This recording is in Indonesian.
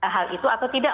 hal itu atau tidak